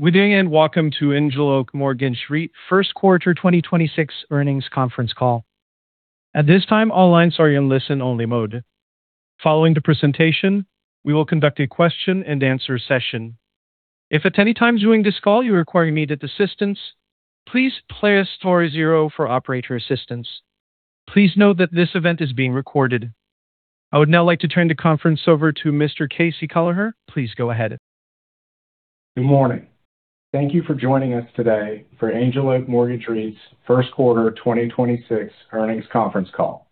Good day, and welcome to Angel Oak Mortgage REIT first quarter 2026 earnings conference call. At this time, all lines are in listen-only mode. Following the presentation, we will conduct a question-and-answer session. If at any time during this call you require immediate assistance, please press star zero for operator assistance. Please note that this event is being recorded. I would now like to turn the conference over to Mr. KC Kelleher. Please go ahead. Good morning. Thank you for joining us today for Angel Oak Mortgage REIT's first quarter 2026 earnings conference call.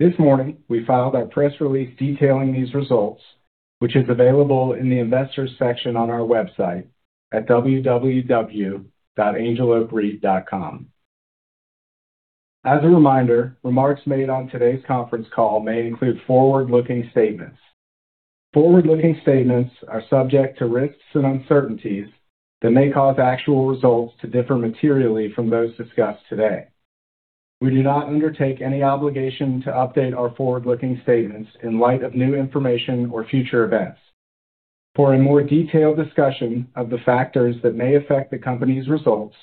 This morning, we filed our press release detailing these results, which is available in the Investors section on our website at www.angeloakreit.com. As a reminder, remarks made on today's conference call may include forward-looking statements. Forward-looking statements are subject to risks and uncertainties that may cause actual results to differ materially from those discussed today. We do not undertake any obligation to update our forward-looking statements in light of new information or future events. For a more detailed discussion of the factors that may affect the company's results,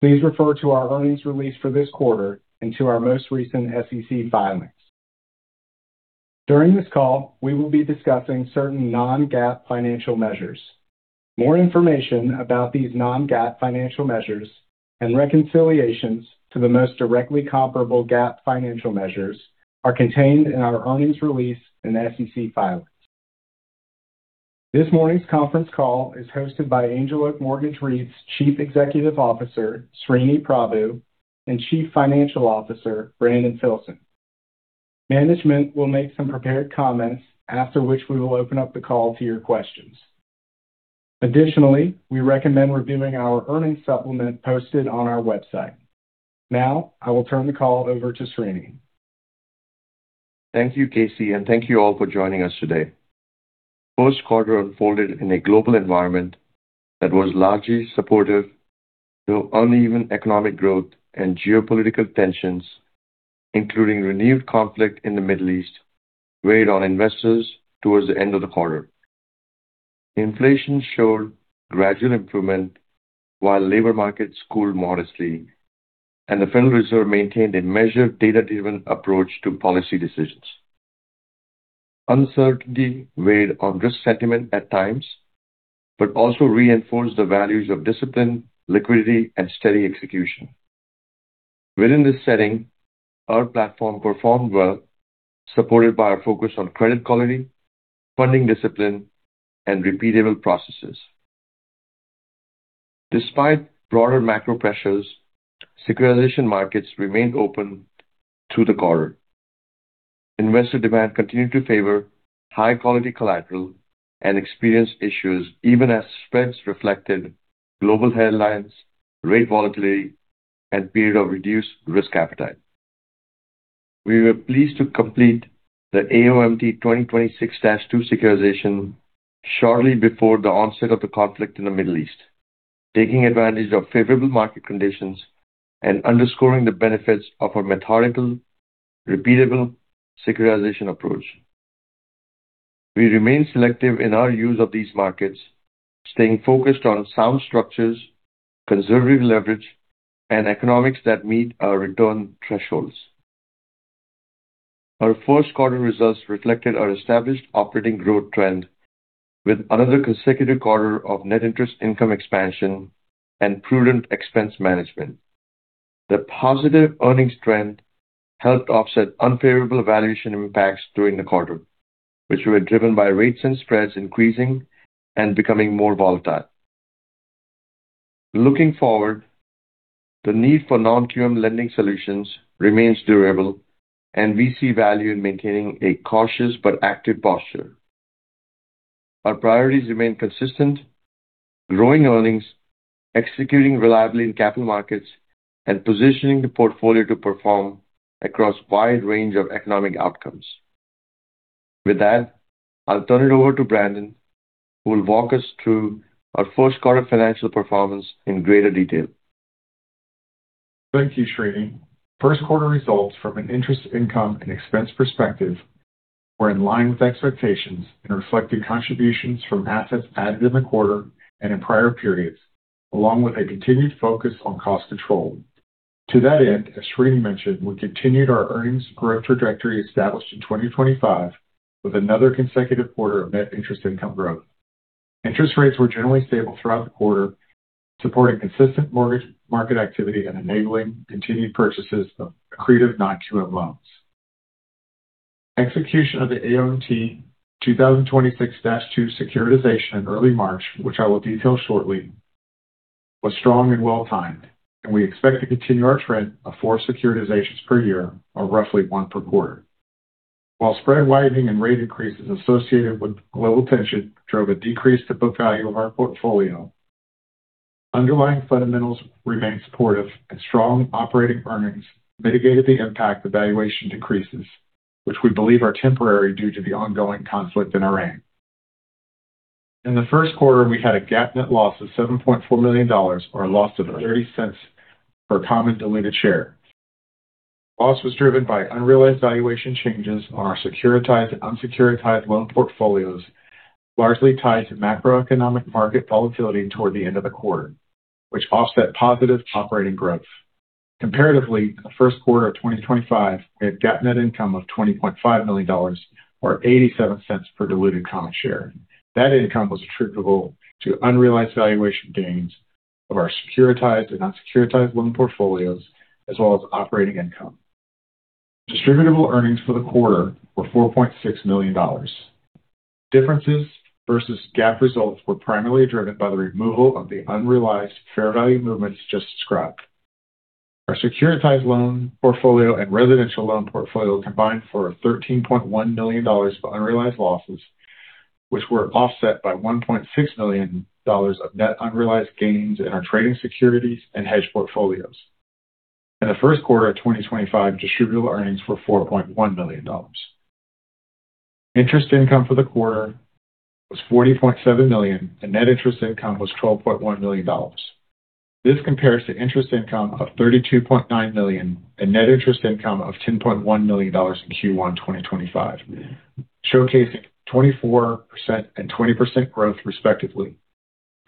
please refer to our earnings release for this quarter and to our most recent SEC filings. During this call, we will be discussing certain non-GAAP financial measures. More information about these non-GAAP financial measures and reconciliations to the most directly comparable GAAP financial measures are contained in our earnings release and SEC filings. This morning's conference call is hosted by Angel Oak Mortgage REIT's Chief Executive Officer, Sreeni Prabhu, and Chief Financial Officer, Brandon Filson. Management will make some prepared comments, after which we will open up the call to your questions. We recommend reviewing our earnings supplement posted on our website. I will turn the call over to Sreeni. Thank you, KC, and thank you all for joining us today. First quarter unfolded in a global environment that was largely supportive, though uneven economic growth and geopolitical tensions, including renewed conflict in the Middle East, weighed on investors towards the end of the quarter. Inflation showed gradual improvement while labor markets cooled modestly and the Federal Reserve maintained a measured data-driven approach to policy decisions. Uncertainty weighed on risk sentiment at times, also reinforced the values of discipline, liquidity, and steady execution. Within this setting, our platform performed well, supported by our focus on credit quality, funding discipline, and repeatable processes. Despite broader macro pressures, securitization markets remained open through the quarter. Investor demand continued to favor high-quality collateral and experienced issues even as spreads reflected global headlines, rate volatility, and period of reduced risk appetite. We were pleased to complete the AOMT 2026-2 securitization shortly before the onset of the conflict in the Middle East, taking advantage of favorable market conditions and underscoring the benefits of a methodical, repeatable securitization approach. We remain selective in our use of these markets, staying focused on sound structures, conservative leverage, and economics that meet our return thresholds. Our first quarter results reflected our established operating growth trend with another consecutive quarter of net interest income expansion and prudent expense management. The positive earnings trend helped offset unfavorable valuation impacts during the quarter, which were driven by rates and spreads increasing and becoming more volatile. Looking forward, the need for non-QM lending solutions remains durable, and we see value in maintaining a cautious but active posture. Our priorities remain consistent, growing earnings, executing reliably in capital markets, and positioning the portfolio to perform across wide range of economic outcomes. With that, I'll turn it over to Brandon, who will walk us through our first quarter financial performance in greater detail. Thank you, Sreeni. First quarter results from an interest income and expense perspective were in line with expectations and reflected contributions from assets added in the quarter and in prior periods, along with a continued focus on cost control. To that end, as Sreeni mentioned, we continued our earnings growth trajectory established in 2025 with another consecutive quarter of net interest income growth. Interest rates were generally stable throughout the quarter, supporting consistent mortgage market activity and enabling continued purchases of accretive non-QM loans. Execution of the AOMT 2026-2 securitization in early March, which I will detail shortly, was strong and well-timed. We expect to continue our trend of four securitizations per year, or roughly one per quarter. While spread widening and rate increases associated with global tension drove a decrease to book value of our portfolio, underlying fundamentals remained supportive and strong operating earnings mitigated the impact of valuation decreases, which we believe are temporary due to the ongoing conflict in Iran. In the first quarter, we had a GAAP net loss of $7.4 million, or a loss of $0.30 per common diluted share. Loss was driven by unrealized valuation changes on our securitized and unsecuritized loan portfolios, largely tied to macroeconomic market volatility toward the end of the quarter, which offset positive operating growth. Comparatively, the first quarter of 2025 had GAAP net income of $20.5 million or $0.87 per diluted common share. That income was attributable to unrealized valuation gains of our securitized and unsecuritized loan portfolios as well as operating income. Distributable earnings for the quarter were $4.6 million. Differences versus GAAP results were primarily driven by the removal of the unrealized fair value movements just described. Our securitized loan portfolio and residential loan portfolio combined for a $13.1 million of unrealized losses, which were offset by $1.6 million of net unrealized gains in our trading securities and hedge portfolios. In the first quarter of 2025, distributable earnings were $4.1 million. Interest income for the quarter was $40.7 million, and net interest income was $12.1 million. This compares to interest income of $32.9 million and net interest income of $10.1 million in Q1 2025, showcasing 24% and 20% growth, respectively.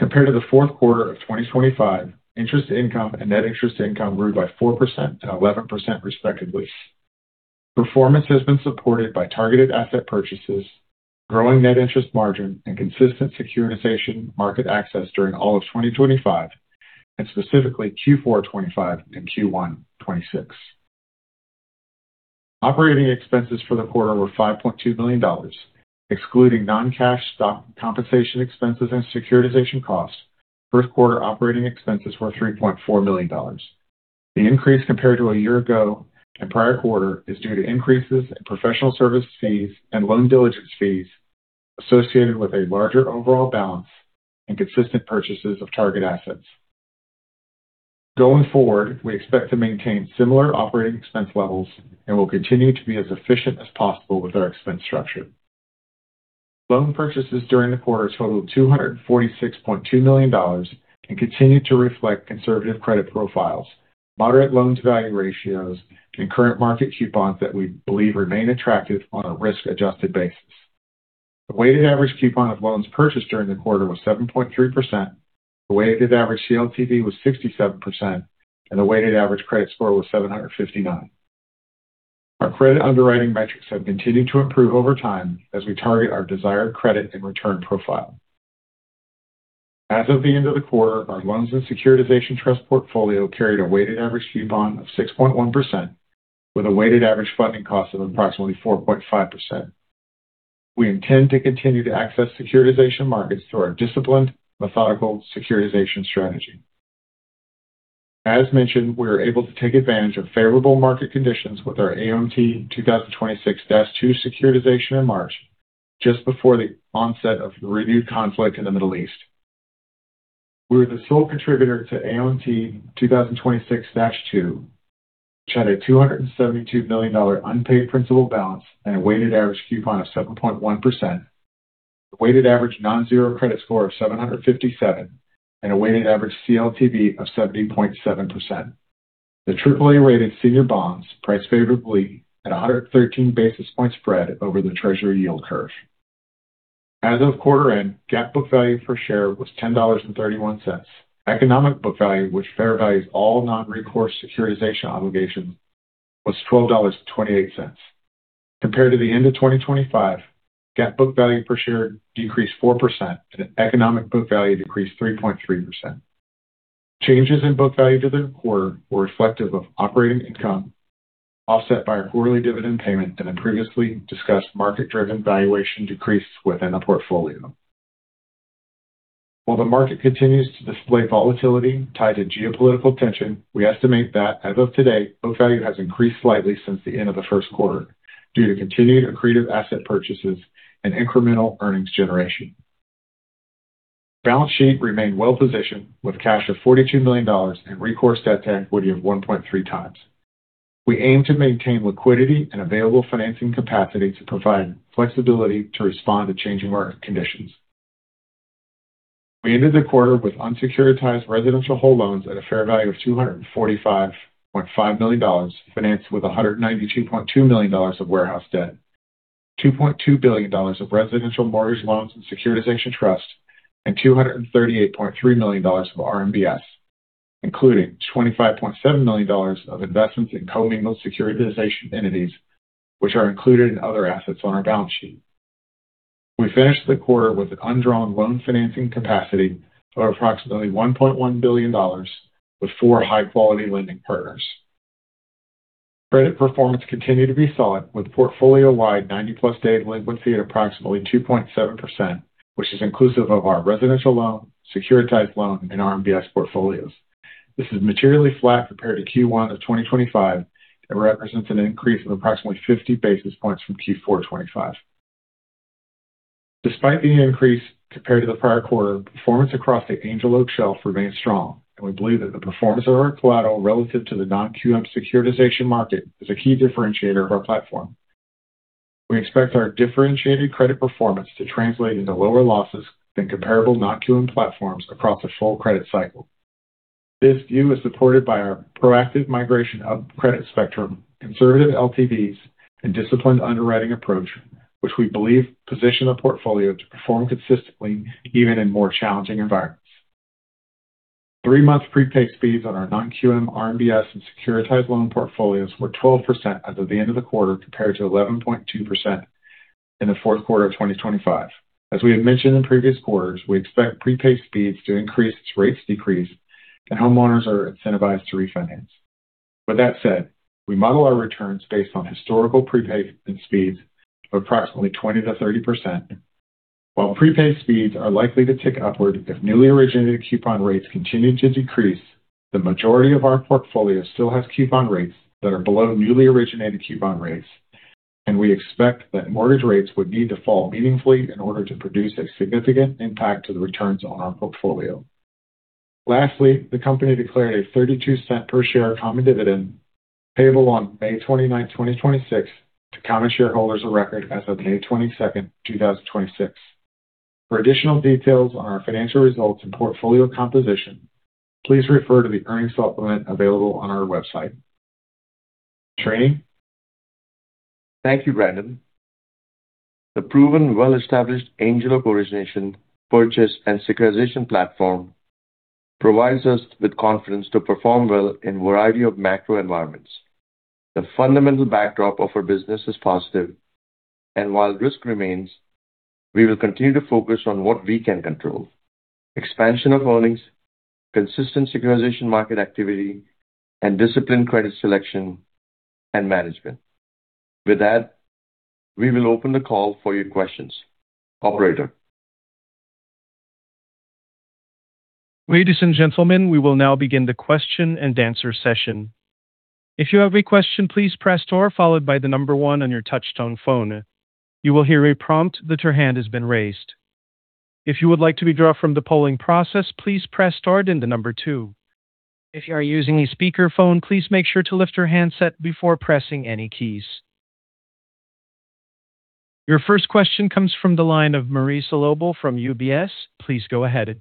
Compared to the fourth quarter of 2025, interest income and net interest income grew by 4% and 11%, respectively. Performance has been supported by targeted asset purchases, growing net interest margin, and consistent securitization market access during all of 2025 and specifically Q4 2025 and Q1 2026. Operating expenses for the quarter were $5.2 million. Excluding non-cash stock compensation expenses and securitization costs, first quarter operating expenses were $3.4 million. The increase compared to a year ago and prior quarter is due to increases in professional service fees and loan diligence fees associated with a larger overall balance and consistent purchases of target assets. Going forward, we expect to maintain similar operating expense levels and will continue to be as efficient as possible with our expense structure. Loan purchases during the quarter totaled $246.2 million and continue to reflect conservative credit profiles, moderate loan-to-value ratios, and current market coupons that we believe remain attractive on a risk-adjusted basis. The weighted average coupon of loans purchased during the quarter was 7.3%. The weighted average CLTV was 67%, and the weighted average credit score was 759. Our credit underwriting metrics have continued to improve over time as we target our desired credit and return profile. As of the end of the quarter, our loans and securitization trust portfolio carried a weighted average coupon of 6.1% with a weighted average funding cost of approximately 4.5%. We intend to continue to access securitization markets through our disciplined, methodical securitization strategy. As mentioned, we were able to take advantage of favorable market conditions with our AOMT 2026-2 securitization in March, just before the onset of renewed conflict in the Middle East. We were the sole contributor to AOMT 2026-2, which had a $272 million unpaid principal balance and a weighted average coupon of 7.1%, a weighted average non-QM credit score of 757, and a weighted average CLTV of 70.7%. The AAA-rated senior bonds priced favorably at 113 basis point spread over the Treasury yield curve. As of quarter end, GAAP book value per share was $10.31. Economic book value, which fair values all non-recourse securitization obligations, was $12.28. Compared to the end of 2025, GAAP book value per share decreased 4% and economic book value decreased 3.3%. Changes in book value to the quarter were reflective of operating income offset by our quarterly dividend payment and the previously discussed market-driven valuation decrease within the portfolio. While the market continues to display volatility tied to geopolitical tension, we estimate that as of today, book value has increased slightly since the end of the first quarter due to continued accretive asset purchases and incremental earnings generation. Balance sheet remained well-positioned with cash of $42 million and recourse debt to equity of 1.3x. We aim to maintain liquidity and available financing capacity to provide flexibility to respond to changing market conditions. We ended the quarter with unsecuritized residential whole loans at a fair value of $245.5 million, financed with $192.2 million of warehouse debt, $2.2 billion of residential mortgage loans and securitization trust, and $238.3 million of RMBS, including $25.7 million of investments in co-mingled securitization entities, which are included in other assets on our balance sheet. We finished the quarter with an undrawn loan financing capacity of approximately $1.1 billion with four high-quality lending partners. Credit performance continued to be solid with portfolio-wide 90+ day delinquency at approximately 2.7%, which is inclusive of our residential loan, securitized loan, and RMBS portfolios. This is materially flat compared to Q1 of 2025 and represents an increase of approximately 50 basis points from Q4 2025. Despite the increase compared to the prior quarter, performance across the Angel Oak shelf remains strong, and we believe that the performance of our collateral relative to the non-QM securitization market is a key differentiator of our platform. We expect our differentiated credit performance to translate into lower losses than comparable non-QM platforms across a full credit cycle. This view is supported by our proactive migration of credit spectrum, conservative LTVs and disciplined underwriting approach, which we believe position the portfolio to perform consistently even in more challenging environments. Three-month prepaid speeds on our non-QM RMBS and securitized loan portfolios were 12% as of the end of the quarter, compared to 11.2% in the fourth quarter of 2025. As we had mentioned in previous quarters, we expect prepaid speeds to increase as rates decrease and homeowners are incentivized to refinance. With that said, we model our returns based on historical prepaid and speeds of approximately 20%-30%. While prepaid speeds are likely to tick upward if newly originated coupon rates continue to decrease, the majority of our portfolio still has coupon rates that are below newly originated coupon rates. We expect that mortgage rates would need to fall meaningfully in order to produce a significant impact to the returns on our portfolio. Lastly, the company declared a $0.32 per share common dividend payable on May 29th, 2026 to common shareholders of record as of May 22nd, 2026. For additional details on our financial results and portfolio composition, please refer to the earnings supplement available on our website. Sreeni? Thank you, Brandon. The proven well-established Angel Oak origination purchase and securitization platform provides us with confidence to perform well in a variety of macro environments. The fundamental backdrop of our business is positive. While risk remains, we will continue to focus on what we can control, expansion of earnings, consistent securitization market activity, and disciplined credit selection and management. With that, we will open the call for your questions. Operator? Your first question comes from the line of Marissa Lobo from UBS. Please go ahead.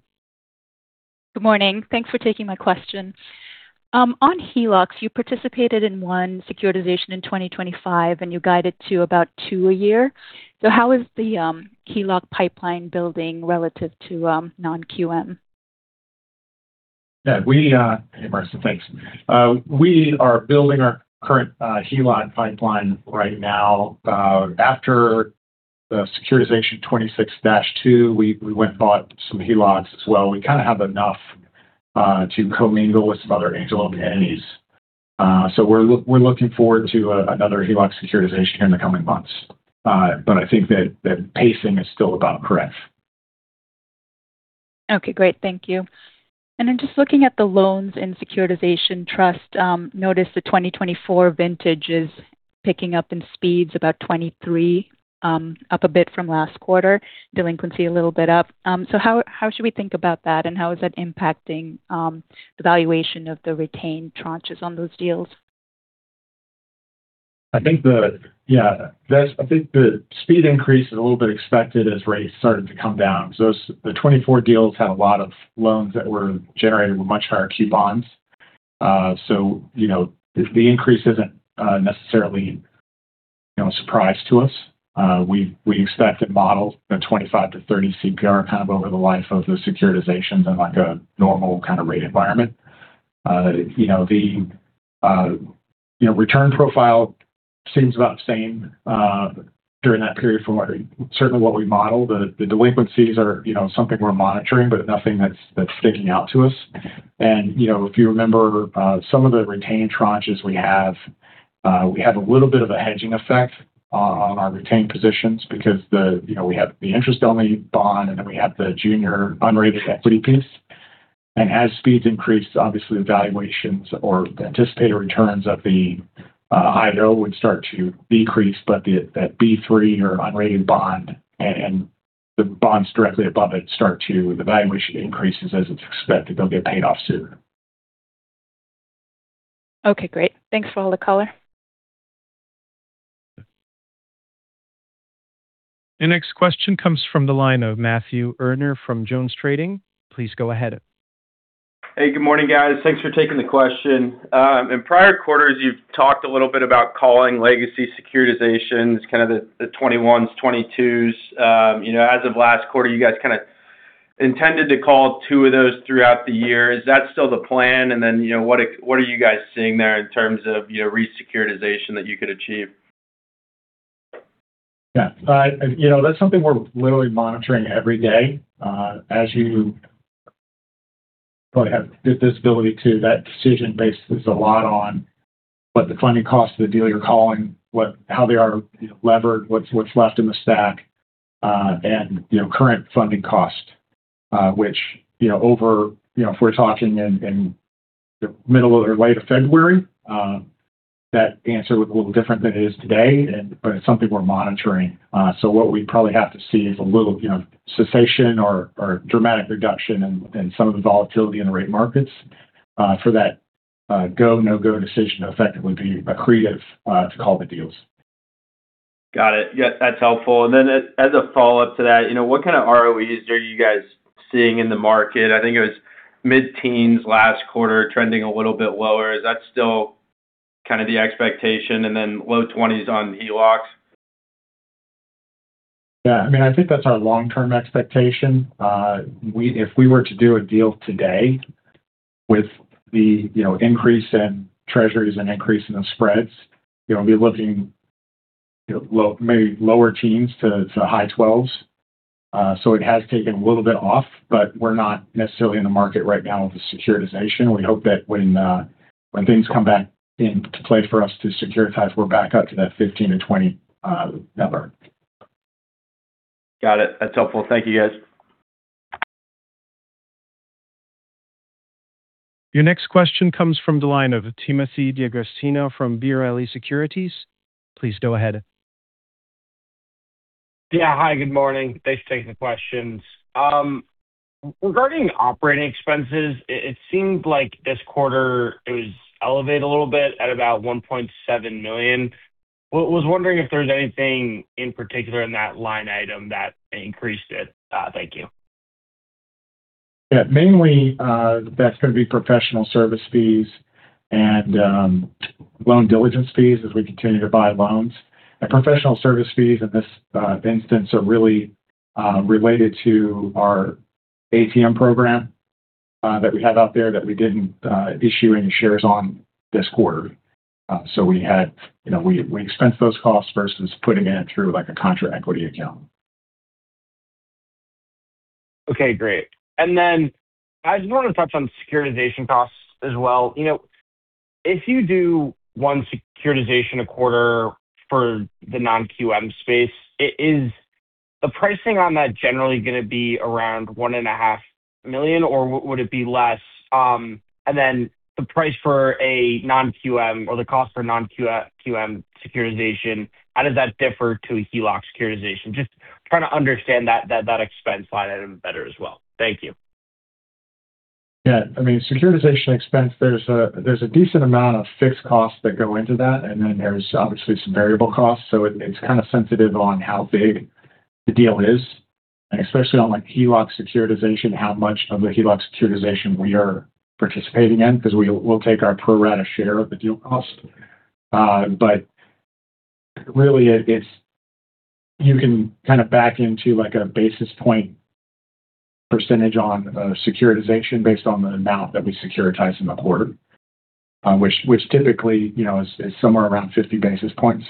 Good morning. Thanks for taking my question. On HELOCs, you participated in one securitization in 2025, and you guided to about two a year. How is the HELOC pipeline building relative to non-QM? Hey, Marissa, thanks. We are building our current HELOC pipeline right now. After the securitization AOMT 2026-2, we went and bought some HELOCs as well. We kind of have enough to commingle with some other Angel Oak entities. We're looking forward to another HELOC securitization in the coming months. I think that pacing is still about correct. Okay, great. Thank you. Just looking at the loans and securitization trust, noticed the 2024 vintage is picking up in speeds about 23, up a bit from last quarter, delinquency a little bit up. How should we think about that, and how is that impacting the valuation of the retained tranches on those deals? I think the speed increase is a little bit expected as rates started to come down. The 24 deals had a lot of loans that were generated with much higher coupons. You know, the increase isn't necessarily, you know, a surprise to us. We expect and model the 25-30 CPR kind of over the life of the securitizations in, like, a normal kind of rate environment. You know, the, you know, return profile seems about the same during that period from what certainly what we model. The delinquencies are, you know, something we're monitoring but nothing that's sticking out to us. You know, if you remember, some of the retained tranches we have, we have a little bit of a hedging effect on our retained positions because, you know, we have the interest-only bond, and then we have the junior unrated equity piece. As speeds increase, obviously the valuations or the anticipated returns of the IO would start to decrease, but that B3 or unrated bond and the bonds directly above it, the valuation increases as it's expected they'll get paid off sooner. Okay, great. Thanks for all the color. The next question comes from the line of Matthew Erdner from Jones Trading. Please go ahead. Hey, good morning, guys. Thanks for taking the question. In prior quarters, you've talked a little bit about calling legacy securitizations, kind of the 2021s, 2022s. You know, as of last quarter, you guys kind of intended to call two of those throughout the year. Is that still the plan? Then, you know, what are, what are you guys seeing there in terms of, you know, re-securitization that you could achieve? Yeah. You know, that's something we're literally monitoring every day. As you probably have the visibility to that decision base is a lot on what the funding cost of the deal you're calling, how they are levered, what's left in the stack, and, you know, current funding cost. Which, you know, over, you know, if we're talking in the middle or late of February, that answer was a little different than it is today and, it's something we're monitoring. What we probably have to see is a little, you know, cessation or dramatic reduction in some of the volatility in the rate markets for that go, no-go decision effectively be by creative to call the deals. Got it. Yeah, that's helpful. As a follow-up to that, you know, what kind of ROEs are you guys seeing in the market? I think it was mid-teens last quarter trending a little bit lower. Is that still kind of the expectation and then low twenties on HELOCs? Yeah, I mean, I think that's our long-term expectation. If we were to do a deal today with the, you know, increase in treasuries and increase in the spreads, you know, we'd be looking, you know, low, maybe lower teens to high 12s. It has taken a little bit off, but we're not necessarily in the market right now with the securitization. We hope that when things come back into play for us to securitize, we're back up to that 15-20 number. Got it. That's helpful. Thank you, guys. Your next question comes from the line of Timothy D'Agostino from B. Riley Securities. Please go ahead. Yeah. Hi, good morning. Thanks for taking the questions. Regarding operating expenses, it seemed like this quarter it was elevated a little bit at about $1.7 million. Was wondering if there's anything in particular in that line item that increased it. Thank you. Yeah. Mainly, that's gonna be professional service fees and loan diligence fees as we continue to buy loans. Professional service fees in this instance are really related to our ATM program that we had out there that we didn't issue any shares on this quarter. We had, you know, we expensed those costs versus putting it through like a contra equity account. Okay, great. I just want to touch on securitization costs as well. You know, if you do one securitization a quarter for the non-QM space, the pricing on that generally going to be around one and a half million or would it be less? The price for a non-QM or the cost for non-QM securitization, how does that differ to a HELOC securitization? Just trying to understand that expense line item better as well. Thank you. Yeah. I mean, securitization expense, there's a decent amount of fixed costs that go into that. Then there's obviously some variable costs. It's kind of sensitive on how big the deal is, and especially on like HELOC securitization, how much of the HELOC securitization we are participating in because we'll take our pro rata share of the deal cost. Really, you can kind of back into like a basis point percentage on securitization based on the amount that we securitize in the quarter. Which typically, you know, is somewhere around 50 basis points.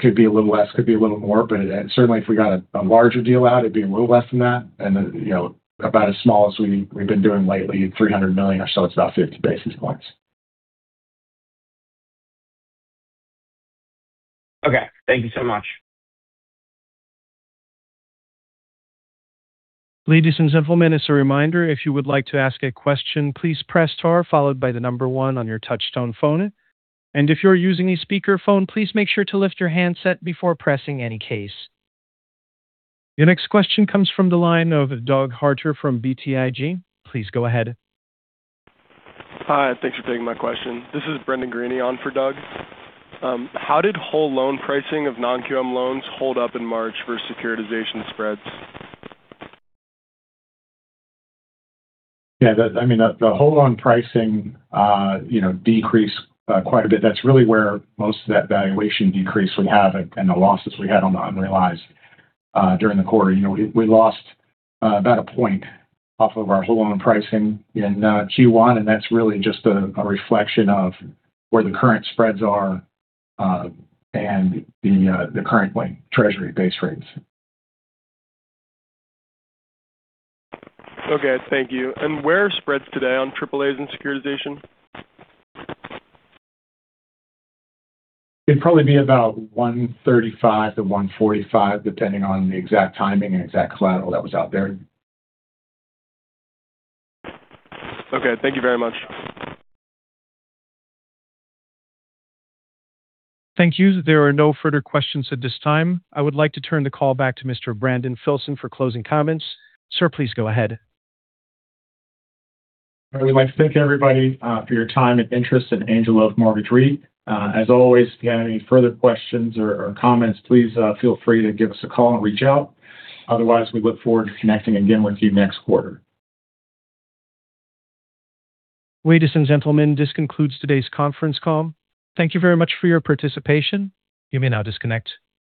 Could be a little less, could be a little more, certainly if we got a larger deal out, it'd be a little less than that. You know, about as small as we've been doing lately, $300 million or so, it's about 50 basis points. Okay. Thank you so much. Your next question comes from the line of Doug Harter from BTIG. Please go ahead. Hi. Thanks for taking my question. This is Brendan Greaney on for Doug. How did whole loan pricing of non-QM loans hold up in March for securitization spreads? Yeah, that, I mean, the whole loan pricing decreased quite a bit. That's really where most of that valuation decrease we have and the losses we had on the unrealized during the quarter. We lost about a point off of our whole loan pricing in Q1, and that's really just a reflection of where the current spreads are and the current treasury base rates. Okay. Thank you. Where are spreads today on AAA in securitization? It'd probably be about $135-$145, depending on the exact timing and exact collateral that was out there. Okay. Thank you very much. Thank you. There are no further questions at this time. I would like to turn the call back to Mr. Brandon Filson for closing comments. Sir, please go ahead. I would like to thank everybody for your time and interest in Angel Oak Mortgage REIT. As always, if you have any further questions or comments, please feel free to give us a call and reach out. Otherwise, we look forward to connecting again with you next quarter. Ladies and gentlemen, this concludes today's conference call. Thank you very much for your participation. You may now disconnect.